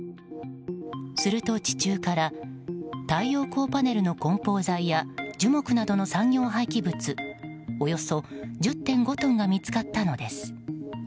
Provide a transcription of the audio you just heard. すると、地中から太陽光パネルの梱包材や樹木などの産業廃棄物およそ１０．５トンが見つかったのです。